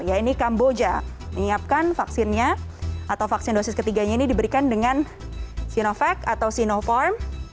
ya ini kamboja menyiapkan vaksinnya atau vaksin dosis ke tiga ini diberikan dengan sinovac atau sinopharm